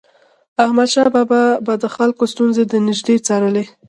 احمدشاه بابا به د خلکو ستونزې د نژدي څارلي.